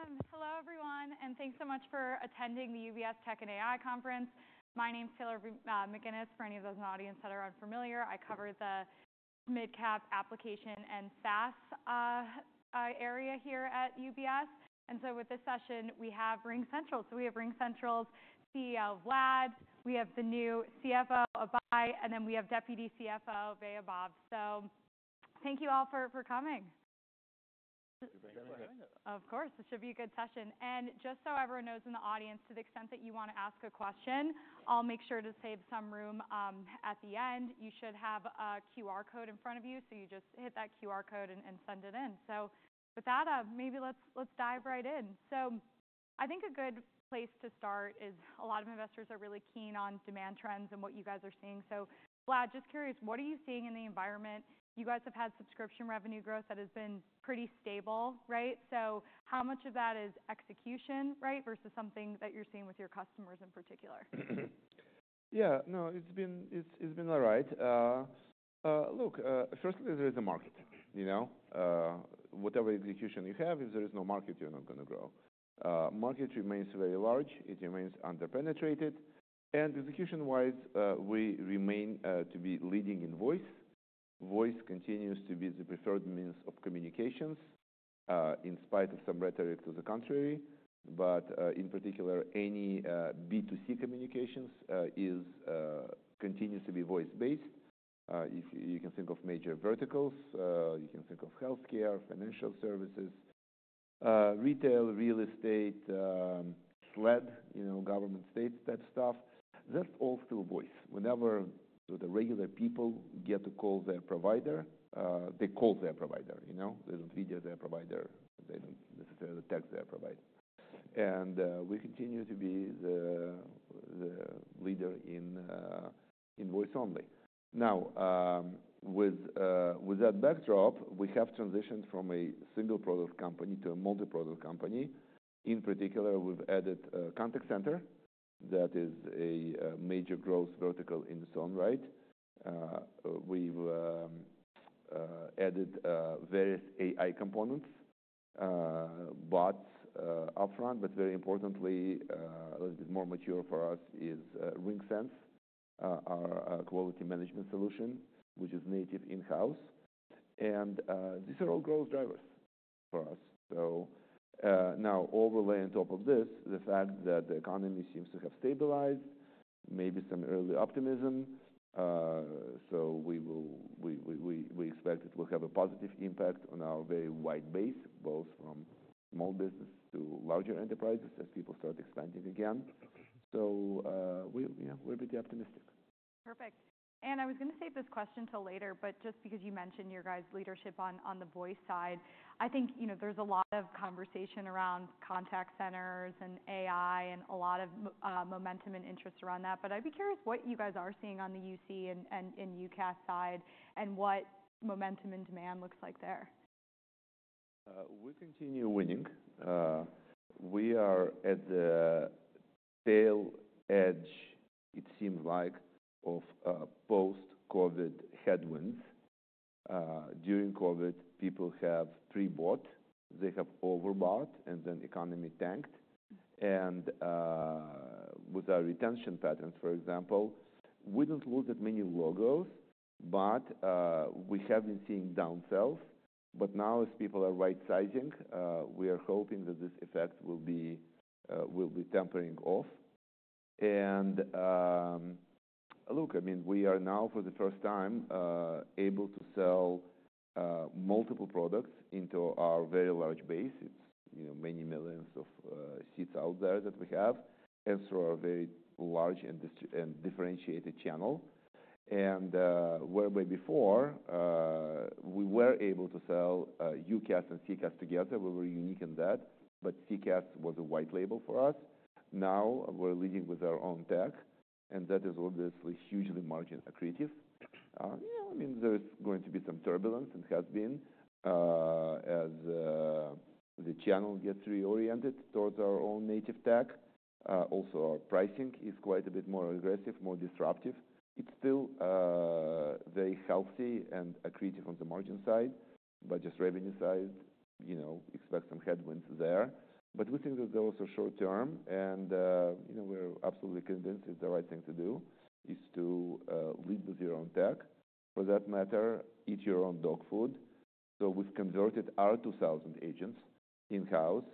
Awesome. Hello, everyone, and thanks so much for attending the UBS Tech and AI Conference. My name's Taylor McGinnis. For any of those in the audience that are unfamiliar, I cover the mid-cap application and SaaS area here at UBS. And so with this session, we have RingCentral. So we have RingCentral's CEO, Vlad. We have the new CFO, Abhey. And then we have Deputy CFO, Vaibhav. So thank you all for coming. Thanks for joining us. Of course. This should be a good session. And just so everyone knows in the audience, to the extent that you wanna ask a question, I'll make sure to save some room, at the end. You should have a QR code in front of you, so you just hit that QR code and send it in. So with that, maybe let's dive right in. So I think a good place to start is a lot of investors are really keen on demand trends and what you guys are seeing. So, Vlad, just curious, what are you seeing in the environment? You guys have had subscription revenue growth that has been pretty stable, right? So how much of that is execution, right, versus something that you're seeing with your customers in particular? Yeah. No, it's been all right. Look, firstly, there is a market, you know? Whatever execution you have, if there is no market, you're not gonna grow. Market remains very large. It remains under-penetrated. And execution-wise, we remain to be leading in voice. Voice continues to be the preferred means of communications, in spite of some rhetoric to the contrary. But, in particular, any B2C communications is continues to be voice-based. If you can think of major verticals, you can think of healthcare, financial services, retail, real estate, SLED, you know, government states-type stuff. That's all through voice. Whenever the regular people get to call their provider, they call their provider, you know? They don't video their provider. They don't necessarily text their provider. And, we continue to be the leader in voice only. Now, with that backdrop, we have transitioned from a single-product company to a multi-product company. In particular, we've added Contact Center. That is a major growth vertical in SaaS, right? We've added various AI components, bots, upfront. But very importantly, a little bit more mature for us is RingSense, our quality management solution, which is native in-house. And these are all growth drivers for us. So now, overlay on top of this, the fact that the economy seems to have stabilized, maybe some early optimism, so we expect it will have a positive impact on our very wide base, both from small business to larger enterprises as people start expanding again. So, we're pretty optimistic. Perfect. And I was gonna save this question till later, but just because you mentioned your guys' leadership on the voice side, I think, you know, there's a lot of conversation around Contact Centers and AI and a lot of momentum and interest around that. But I'd be curious what you guys are seeing on the UC and UCaaS side and what momentum and demand looks like there. We continue winning. We are at the tail end, it seems like, of post-COVID headwinds. During COVID, people have pre-bought. They have overbought, and then the economy tanked. With our retention patterns, for example, we don't lose that many logos, but we have been seeing downticks. Now, as people are right-sizing, we are hoping that this effect will be tapering off. Look, I mean, we are now, for the first time, able to sell multiple products into our very large base. It's, you know, many millions of seats out there that we have and through our very large indirect and differentiated channel. Whereas before, we were able to sell UCaaS and CCaaS together. We were unique in that, but CCaaS was a white label for us. Now, we're leading with our own tech, and that is obviously hugely margin accretive. You know, I mean, there's going to be some turbulence and has been, as the channel gets reoriented towards our own native tech. Also, our pricing is quite a bit more aggressive, more disruptive. It's still very healthy and accretive on the margin side, but just revenue-wise, you know, expect some headwinds there. But we think that those are short-term, and you know, we're absolutely convinced it's the right thing to do is to lead with your own tech. For that matter, eat your own dog food. So we've converted our 2,000 agents in-house,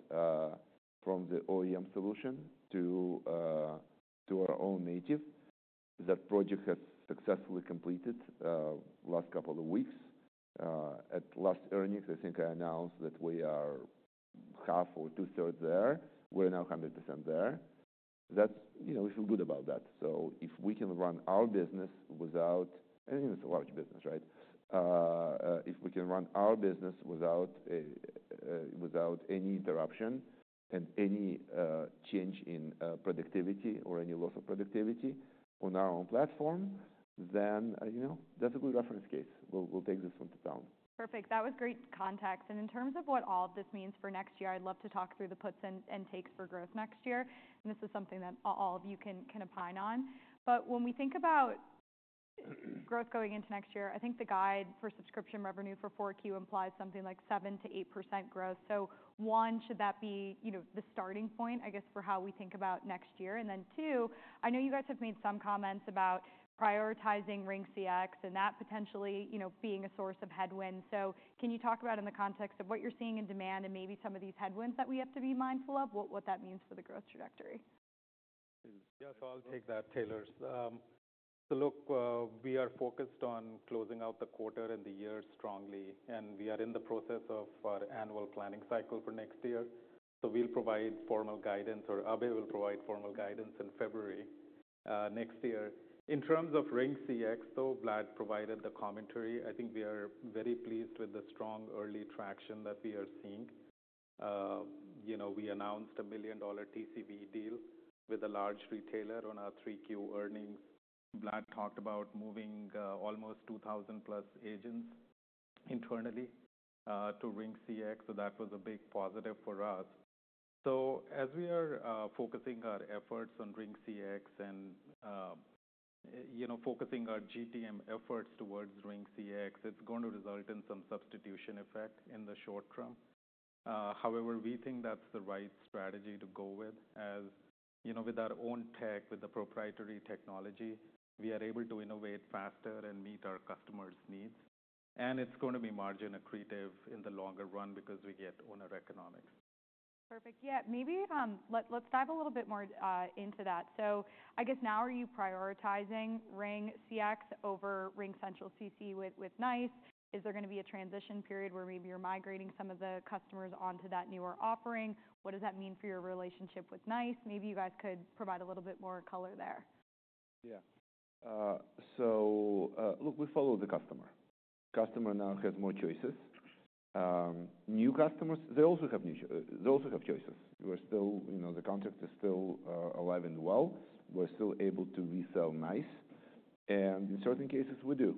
from the OEM solution to our own native. That project has successfully completed last couple of weeks. At last earnings, I think I announced that we are half or two-thirds there. We're now 100% there. That's you know, we feel good about that. You know, it's a large business, right? If we can run our business without any interruption and any change in productivity or any loss of productivity on our own platform, then, you know, that's a good reference case. We'll take this one to town. Perfect. That was great context, and in terms of what all of this means for next year, I'd love to talk through the puts and takes for growth next year. And this is something that all of you can opine on, but when we think about growth going into next year, I think the guide for subscription revenue for 4Q implies something like 7%-8% growth, so one, should that be, you know, the starting point, I guess, for how we think about next year? And then two, I know you guys have made some comments about prioritizing RingCX and that potentially, you know, being a source of headwinds, so can you talk about, in the context of what you're seeing in demand and maybe some of these headwinds that we have to be mindful of, what that means for the growth trajectory? Yeah. So I'll take that, Taylor. So look, we are focused on closing out the quarter and the year strongly, and we are in the process of our annual planning cycle for next year. So we'll provide formal guidance, or Abhey will provide formal guidance in February, next year. In terms of RingCX, though, Vlad provided the commentary. I think we are very pleased with the strong early traction that we are seeing. You know, we announced a $1 million TCV deal with a large retailer on our 3Q earnings. Vlad talked about moving almost 2,000+ agents internally to RingCX. So that was a big positive for us. So as we are focusing our efforts on RingCX and you know, focusing our GTM efforts towards RingCX, it's gonna result in some substitution effect in the short term. However, we think that's the right strategy to go with as, you know, with our own tech, with the proprietary technology, we are able to innovate faster and meet our customers' needs, and it's gonna be margin accretive in the longer run because we get our own economics. Perfect. Yeah. Maybe let's dive a little bit more into that. So I guess now, are you prioritizing RingCX over RingCentral CC with NiCE? Is there gonna be a transition period where maybe you're migrating some of the customers onto that newer offering? What does that mean for your relationship with NiCE? Maybe you guys could provide a little bit more color there. Yeah. So, look, we follow the customer. Customer now has more choices. New customers, they also have choices. We're still, you know, the contract is still alive and well. We're still able to resell NiCE. And in certain cases, we do.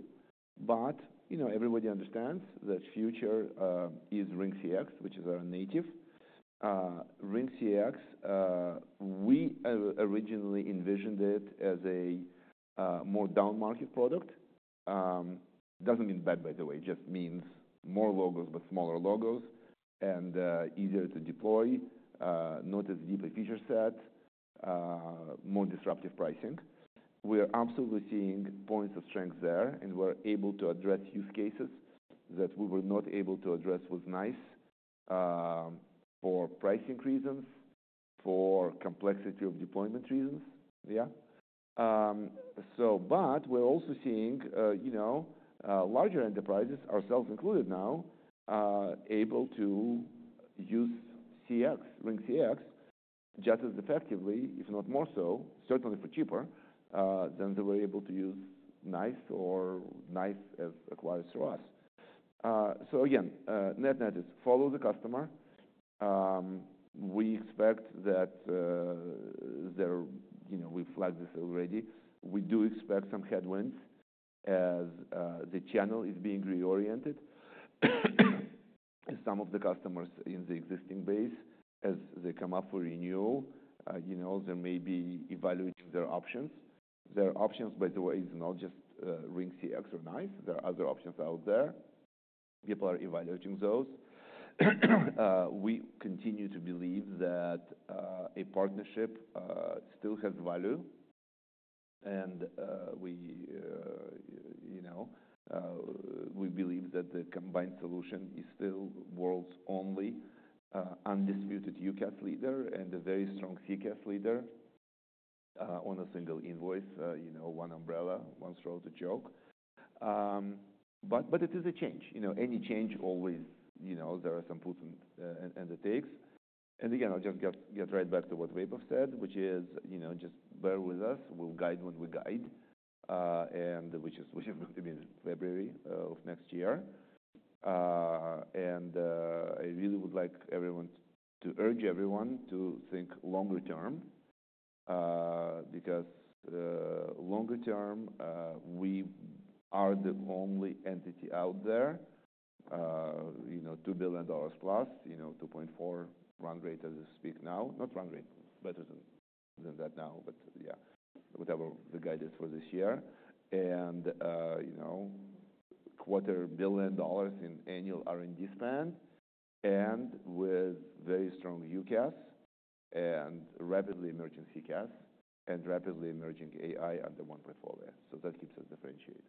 But, you know, everybody understands that future is RingCX, which is our native. RingCX, we originally envisioned it as a more down-market product. Doesn't mean bad, by the way. It just means more logos, but smaller logos and easier to deploy, not as deep a feature set, more disruptive pricing. We are absolutely seeing points of strength there, and we're able to address use cases that we were not able to address with NiCE, for pricing reasons, for complexity of deployment reasons. Yeah. But we're also seeing, you know, larger enterprises, ourselves included now, able to use CX, RingCX, just as effectively, if not more so, certainly for cheaper, than they were able to use NiCE or NiCE as acquired through us. So again, net-net, it's follow the customer. We expect that they're, you know, we've flagged this already. We do expect some headwinds as the channel is being reoriented. Some of the customers in the existing base, as they come up for renewal, you know, they may be evaluating their options. Their options, by the way, is not just RingCX or NiCE. There are other options out there. People are evaluating those. We continue to believe that a partnership still has value. We, you know, we believe that the combined solution is still the world's only undisputed UCaaS leader and a very strong CCaaS leader, on a single invoice, you know, one umbrella, one throat to choke. But it is a change. You know, any change always, you know, there are some puts and the takes. And again, I'll just get right back to what Vaibhav said, which is, you know, just bear with us. We'll guide when we guide, and which is going to be in February of next year. I really would like everyone to urge everyone to think longer term, because longer term, we are the only entity out there, you know, $2+ billion, you know, $2.4 billion run rate as we speak now. Not run rate. Better than that now, but yeah, whatever the guidance for this year. You know, $250 million in annual R&D spend and with very strong UCaaS and rapidly emerging CCaaS and rapidly emerging AI under one portfolio, so that keeps us differentiated.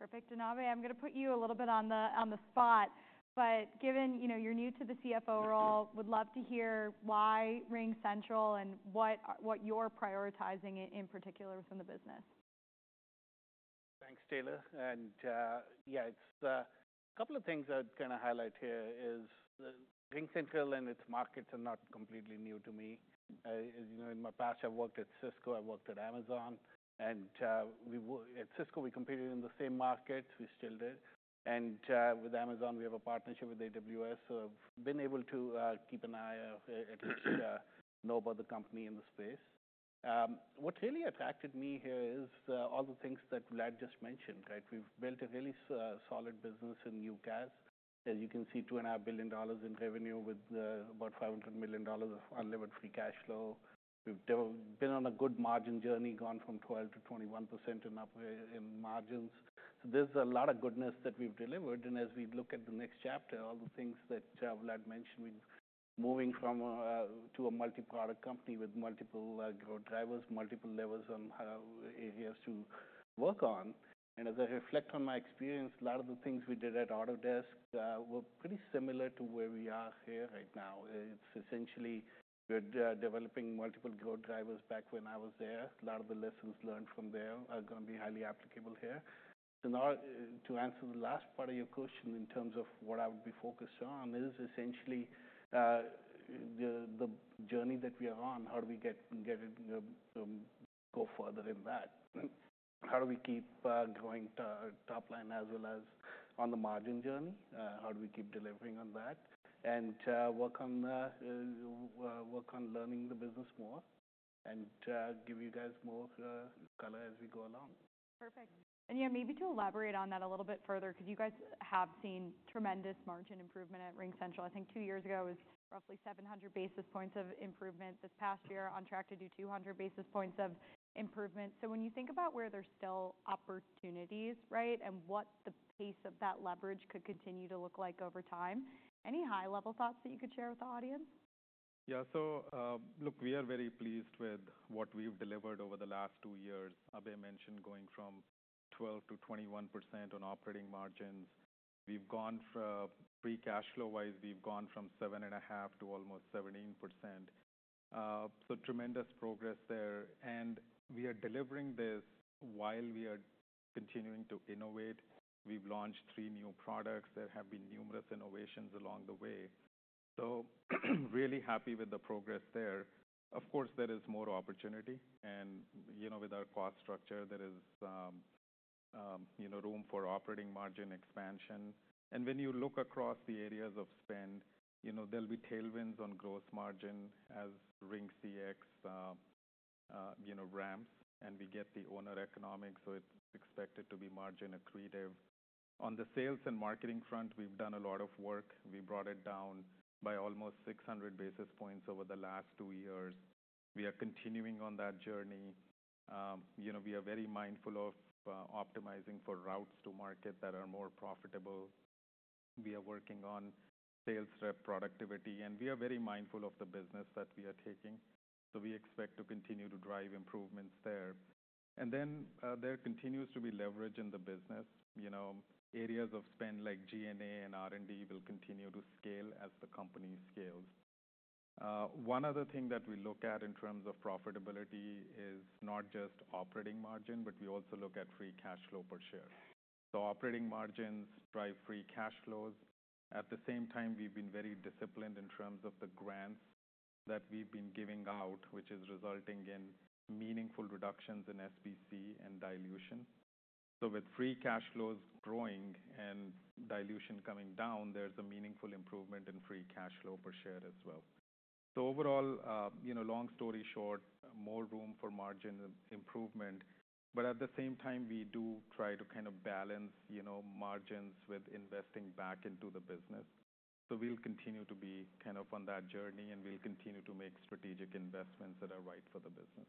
Perfect. And Abhey, I'm gonna put you a little bit on the spot, but given, you know, you're new to the CFO role, would love to hear why RingCentral and what you're prioritizing in particular within the business. Thanks, Taylor. And yeah, it's a couple of things I'd kinda highlight here is, RingCentral and its markets are not completely new to me. As you know, in my past, I've worked at Cisco. I've worked at Amazon. And we at Cisco, we competed in the same markets. We still did. And with Amazon, we have a partnership with AWS, so I've been able to keep an eye on, at least, know about the company in the space. What really attracted me here is all the things that Vlad just mentioned, right? We've built a really solid business in UCaaS. As you can see, $2.5 billion in revenue with about $500 million of unlevered free cash flow. We've been on a good margin journey, gone from 12% to 21% and up in margins. So there's a lot of goodness that we've delivered. And as we look at the next chapter, all the things that Vlad mentioned, we're moving from to a multi-product company with multiple growth drivers, multiple levers on areas to work on. And as I reflect on my experience, a lot of the things we did at Autodesk were pretty similar to where we are here right now. It's essentially we're developing multiple growth drivers back when I was there. A lot of the lessons learned from there are gonna be highly applicable here. And now, to answer the last part of your question in terms of what I would be focused on is essentially the journey that we are on, how do we get it go further in that? How do we keep growing to our top line as well as on the margin journey? How do we keep delivering on that? Work on learning the business more and give you guys more color as we go along. Perfect. And yeah, maybe to elaborate on that a little bit further, 'cause you guys have seen tremendous margin improvement at RingCentral. I think two years ago, it was roughly 700 basis points of improvement. This past year, on track to do 200 basis points of improvement. So when you think about where there's still opportunities, right, and what the pace of that leverage could continue to look like over time, any high-level thoughts that you could share with the audience? Yeah. So, look, we are very pleased with what we've delivered over the last two years. Abhey mentioned going from 12% to 21% on operating margins. We've gone from free cash flow-wise, we've gone from 7.5% to almost 17%. So tremendous progress there. And we are delivering this while we are continuing to innovate. We've launched three new products. There have been numerous innovations along the way. So really happy with the progress there. Of course, there is more opportunity. And, you know, with our cost structure, there is, you know, room for operating margin expansion. And when you look across the areas of spend, you know, there'll be tailwinds on gross margin as RingCX, you know, ramps, and we get our own economics, so it's expected to be margin accretive. On the sales and marketing front, we've done a lot of work. We brought it down by almost 600 basis points over the last two years. We are continuing on that journey. You know, we are very mindful of optimizing for routes to market that are more profitable. We are working on sales rep productivity, and we are very mindful of the business that we are taking. So we expect to continue to drive improvements there. And then, there continues to be leverage in the business. You know, areas of spend like G&A and R&D will continue to scale as the company scales. One other thing that we look at in terms of profitability is not just operating margin, but we also look at free cash flow per share. So operating margins drive free cash flows. At the same time, we've been very disciplined in terms of the grants that we've been giving out, which is resulting in meaningful reductions in SBC and dilution. So with free cash flows growing and dilution coming down, there's a meaningful improvement in free cash flow per share as well. So overall, you know, long story short, more room for margin improvement. But at the same time, we do try to kind of balance, you know, margins with investing back into the business. So we'll continue to be kind of on that journey, and we'll continue to make strategic investments that are right for the business.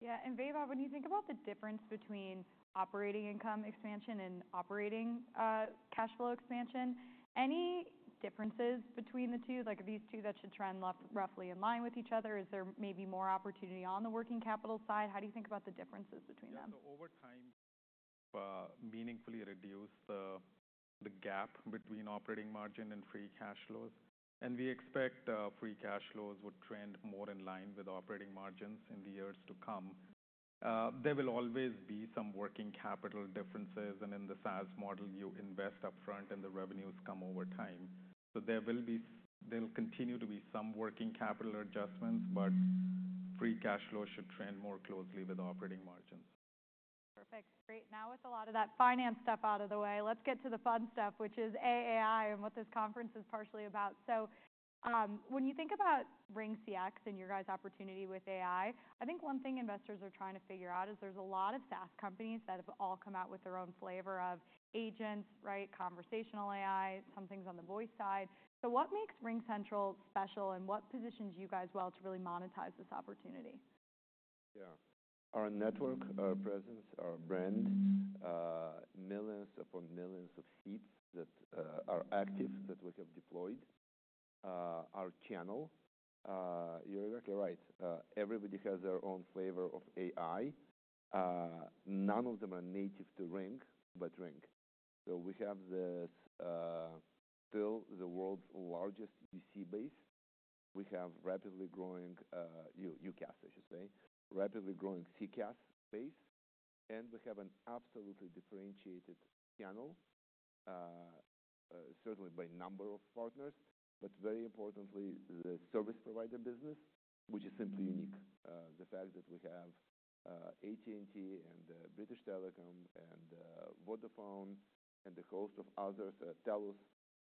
Yeah. And Vaibhav, when you think about the difference between operating income expansion and operating cash flow expansion, any differences between the two, like these two that should trend roughly in line with each other? Is there maybe more opportunity on the working capital side? How do you think about the differences between them? Yeah. So over time, meaningfully reduce the gap between operating margin and free cash flows. And we expect free cash flows would trend more in line with operating margins in the years to come. There will always be some working capital differences. And in the SaaS model, you invest upfront, and the revenues come over time. So there'll continue to be some working capital adjustments, but free cash flow should trend more closely with operating margins. Perfect. Great. Now, with a lot of that finance stuff out of the way, let's get to the fun stuff, which is AI and what this conference is partially about. So, when you think about RingCX and your guys' opportunity with AI, I think one thing investors are trying to figure out is there's a lot of SaaS companies that have all come out with their own flavor of agents, right, conversational AI, some things on the voice side. So what makes RingCentral special, and what positions you guys well to really monetize this opportunity? Yeah. Our network, our presence, our brand, millions upon millions of seats that are active that we have deployed, our channel. You're exactly right. Everybody has their own flavor of AI. None of them are native to Ring, but Ring. So we have this, still the world's largest CC base. We have rapidly growing UCaaS, I should say, rapidly growing CCaaS base. And we have an absolutely differentiated channel, certainly by number of partners, but very importantly, the service provider business, which is simply unique. The fact that we have AT&T and British Telecom and Vodafone and a host of others, TELUS,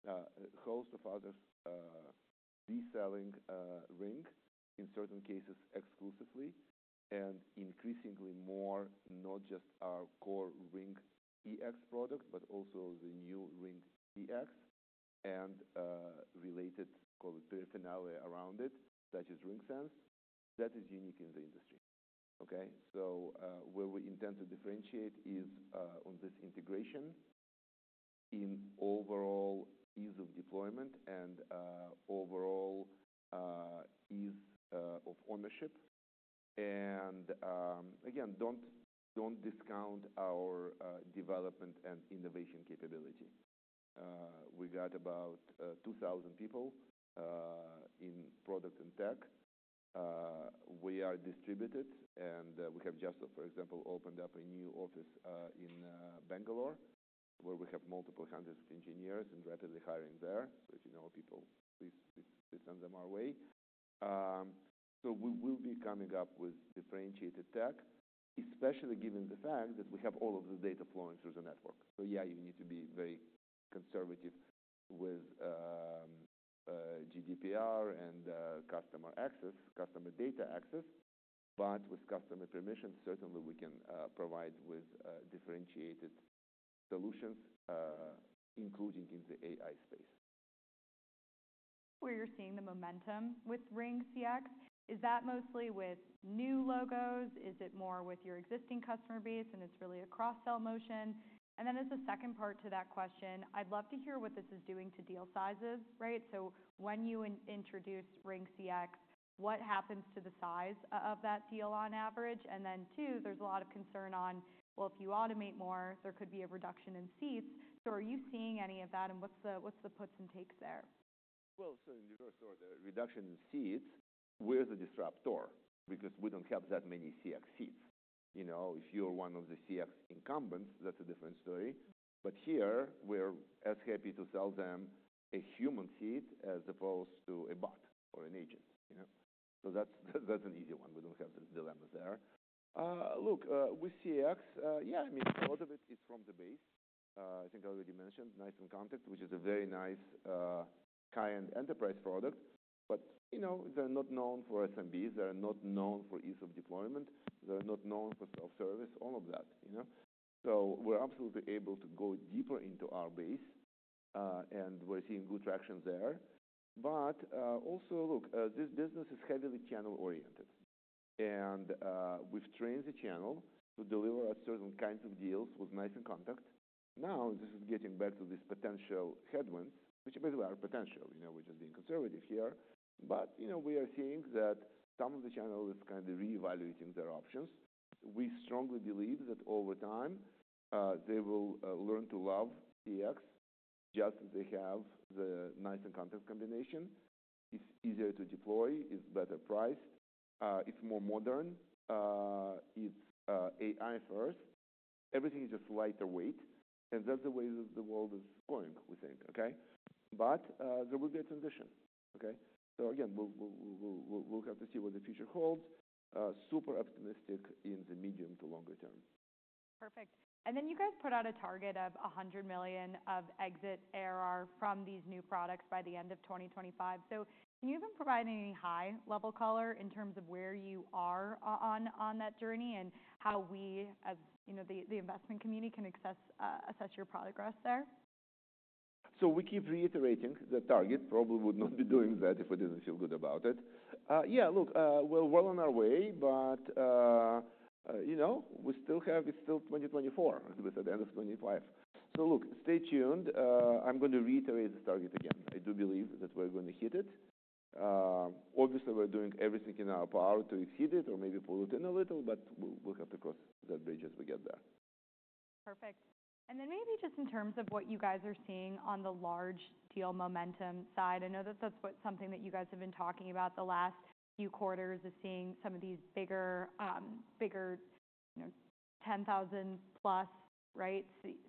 a host of others, reselling Ring in certain cases exclusively and increasingly more, not just our core RingCX product, but also the new RingCX and related, call it peripheral around it, such as RingSense. That is unique in the industry. Okay? So, where we intend to differentiate is on this integration in overall ease of deployment and overall ease of ownership. And again, don't discount our development and innovation capability. We got about 2,000 people in product and tech. We are distributed, and we have just, for example, opened up a new office in Bangalore, where we have multiple hundreds of engineers and rapidly hiring there. So if you know people, please, please, please send them our way. So we will be coming up with differentiated tech, especially given the fact that we have all of the data flowing through the network. So yeah, you need to be very conservative with GDPR and customer access, customer data access. But with customer permission, certainly we can provide with differentiated solutions, including in the AI space. Where you're seeing the momentum with RingCX, is that mostly with new logos? Is it more with your existing customer base? And it's really a cross-sell motion. And then as a second part to that question, I'd love to hear what this is doing to deal sizes, right? So when you introduce RingCX, what happens to the size of that deal on average? And then two, there's a lot of concern on, well, if you automate more, there could be a reduction in seats. So are you seeing any of that, and what's the puts and takes there? Well, so in reverse order, reduction in seats will disrupt store because we don't have that many CX seats. You know, if you're one of the CX incumbents, that's a different story. But here, we're as happy to sell them a human seat as opposed to a bot or an agent, you know? So that's, that's an easy one. We don't have this dilemma there. Look, with CX, yeah, I mean, part of it is from the base. I think I already mentioned NiCE inContact, which is a very nice, high-end enterprise product. But, you know, they're not known for SMBs. They're not known for ease of deployment. They're not known for self-service, all of that, you know? So we're absolutely able to go deeper into our base, and we're seeing good traction there. But, also, look, this business is heavily channel-oriented. And we've trained the channel to deliver at certain kinds of deals with NiCE inContact. Now this is getting back to these potential headwinds, which maybe are potential. You know, we're just being conservative here. But you know, we are seeing that some of the channel is kinda reevaluating their options. We strongly believe that over time, they will learn to love CX just as they have the NICE inContact combination. It's easier to deploy. It's better priced. It's more modern. It's AI-first. Everything is just lighter weight. And that's the way that the world is going, we think. Okay? But there will be a transition. Okay? So again, we'll have to see what the future holds. Super optimistic in the medium to longer term. Perfect. Then you guys put out a target of $100 million of exit ARR from these new products by the end of 2025. So can you even provide any high-level color in terms of where you are on that journey and how we, as you know, the investment community can assess your progress there? So we keep reiterating the target. Probably would not be doing that if I didn't feel good about it. Yeah, look, we're well on our way, but, you know, we still have, it's still 2024. It's at the end of 2025. So look, stay tuned. I'm gonna reiterate the target again. I do believe that we're gonna hit it. Obviously, we're doing everything in our power to exceed it or maybe pull it in a little, but we'll have to cross that bridge as we get there. Perfect, and then maybe just in terms of what you guys are seeing on the large deal momentum side. I know that that's something that you guys have been talking about the last few quarters is seeing some of these bigger, bigger, you know, 10,000+, right,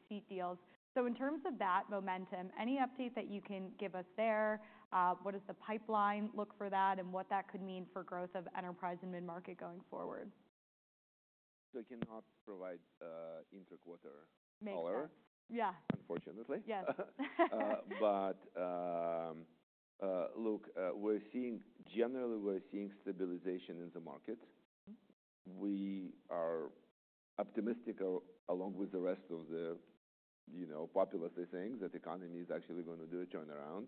seat deals. So in terms of that momentum, any update that you can give us there? What does the pipeline look like for that and what that could mean for growth of enterprise and mid-market going forward? So I cannot provide interquarter color. Makes sense. Yeah. Unfortunately. Yeah. But, look, we're seeing generally, we're seeing stabilization in the market. Mm-hmm. We are optimistic along with the rest of the, you know, populace that thinks that the economy is actually gonna do a turnaround.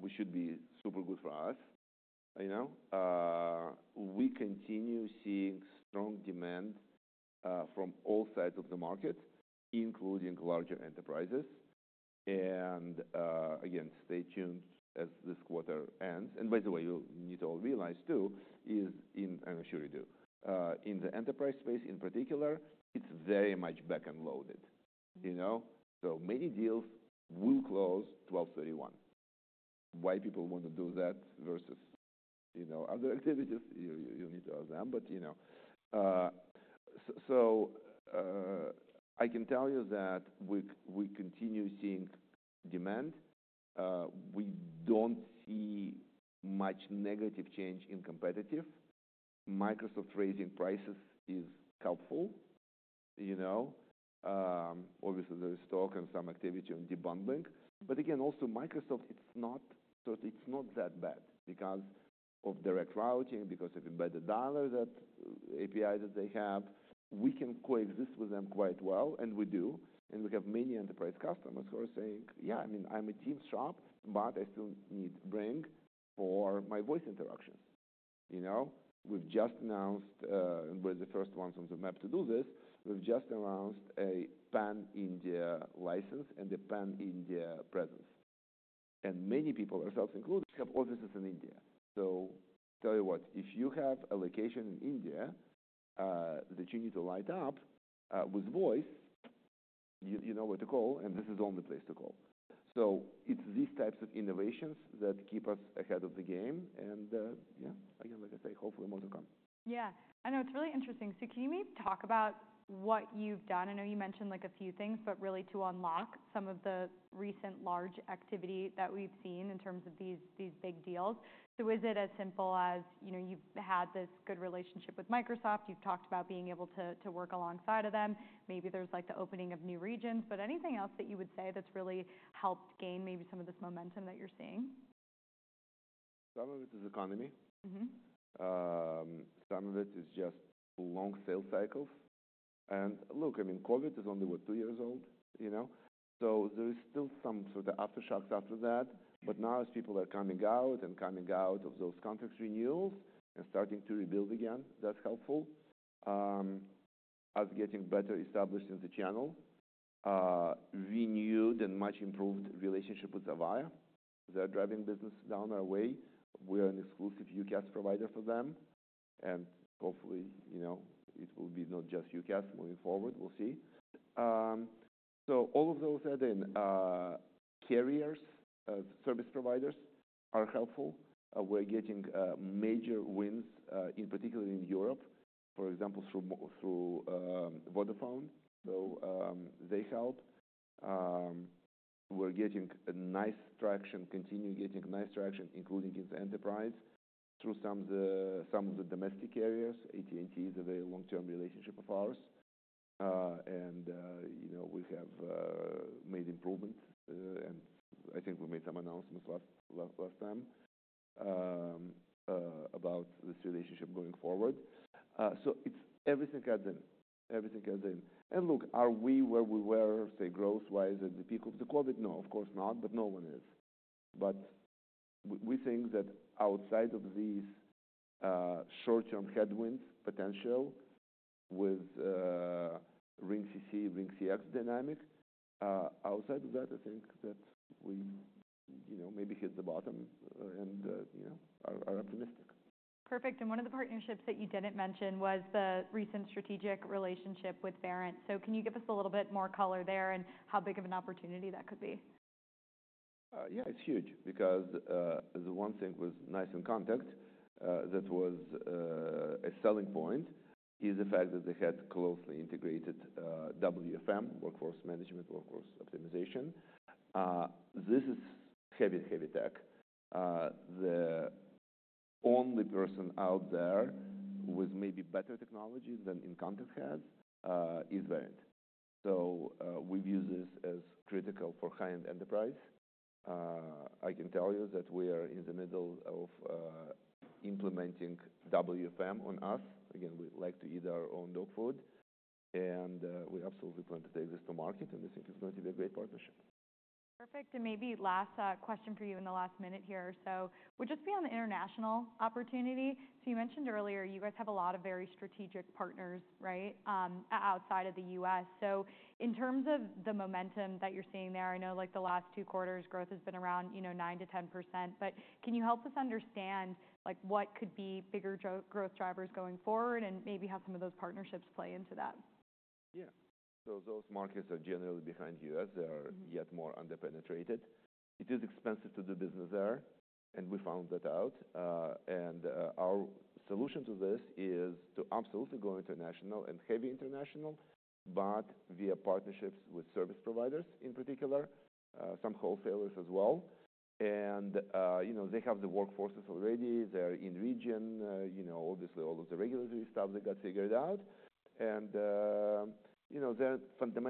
We should be super good for us, you know? We continue seeing strong demand from all sides of the market, including larger enterprises. Again, stay tuned as this quarter ends. By the way, you need to all realize too is in, and I'm sure you do, in the enterprise space in particular, it's very much back-loaded, you know? So many deals will close 12/31. Why people wanna do that versus, you know, other activities? You need to ask them. But, you know, so I can tell you that we continue seeing demand. We don't see much negative change in competition. Microsoft raising prices is helpful, you know? Obviously, there is talk and some activity on debundling. But again, also Microsoft. It's not so it's not that bad because of Direct Routing, because of embedded dialers, the API that they have. We can coexist with them quite well, and we do. We have many enterprise customers who are saying, "Yeah, I mean, I'm a Teams shop, but I still need Ring for my voice interactions," you know? We've just announced, and we're the first ones on the map to do this. We've just announced a Pan-India license and a Pan-India presence. Many people, ourselves included, have offices in India. So tell you what, if you have a location in India that you need to light up with voice, you know where to call, and this is the only place to call. So it's these types of innovations that keep us ahead of the game. Yeah, again, like I say, hopefully more to come. Yeah. I know. It's really interesting. So can you maybe talk about what you've done? I know you mentioned like a few things, but really to unlock some of the recent large activity that we've seen in terms of these, these big deals. So is it as simple as, you know, you've had this good relationship with Microsoft. You've talked about being able to, to work alongside of them. Maybe there's like the opening of new regions. But anything else that you would say that's really helped gain maybe some of this momentum that you're seeing? Some of it is economy. Mm-hmm. Some of it is just long sales cycles. And look, I mean, COVID is only, what, two years old, you know? So there is still some sort of aftershocks after that. But now, as people are coming out and coming out of those contract renewals and starting to rebuild again, that's helpful. We're getting better established in the channel, renewed and much improved relationship with Avaya. They're driving business down our way. We are an exclusive UCaaS provider for them. And hopefully, you know, it will be not just UCaaS moving forward. We'll see. So all of those add-in, carriers, service providers are helpful. We're getting major wins, in particular in Europe, for example, through Vodafone. So, they help. We're getting nice traction, continue getting nice traction, including in the enterprise through some of the, some of the domestic carriers. AT&T is a very long-term relationship of ours. You know, we have made improvements, and I think we made some announcements last time about this relationship going forward. It's everything adds in. Everything adds in. Look, are we where we were, say, growth-wise at the peak of the COVID? No, of course not, but no one is. We think that outside of these short-term headwinds potential with RingCC, RingCX dynamic, outside of that, I think that we you know, maybe hit the bottom, and you know, are optimistic. Perfect. And one of the partnerships that you didn't mention was the recent strategic relationship with Verint. So can you give us a little bit more color there and how big of an opportunity that could be? Yeah, it's huge because the one thing with NiCE inContact that was a selling point is the fact that they had closely integrated WFM, Workforce Management, Workforce Optimization. This is heavy, heavy tech. The only person out there with maybe better technology than inContact has is Verint. So, we view this as critical for high-end enterprise. I can tell you that we are in the middle of implementing WFM on us. Again, we like to eat our own dog food. And we absolutely plan to take this to market, and I think it's going to be a great partnership. Perfect. And maybe last question for you in the last minute here or so. We'll just be on the international opportunity. So you mentioned earlier you guys have a lot of very strategic partners, right, outside of the U.S. So in terms of the momentum that you're seeing there, I know like the last two quarters growth has been around, you know, 9%-10%. But can you help us understand, like, what could be bigger growth drivers going forward and maybe how some of those partnerships play into that? Yeah, so those markets are generally behind the U.S. They are yet more underpenetrated. It is expensive to do business there, and we found that out, and our solution to this is to absolutely go international and heavily international, but via partnerships with service providers in particular, some wholesalers as well, and you know, they have the workforces already. They're in region, you know, obviously all of the regulatory stuff they got figured out, and you know, they're fundamental.